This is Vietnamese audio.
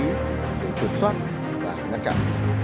để tuyệt soát và ngăn chặn